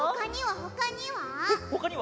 ほかには？